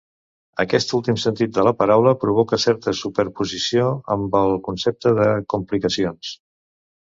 Aquest últim sentit de la paraula provoca certa superposició amb el concepte de complicacions.